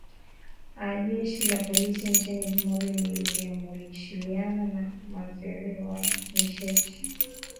aa jeshi la polisi nchini zimbabwe na linamushililia wa waziri wa nisheti